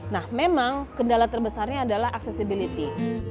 nah memang kendala terbesarnya adalah accessibility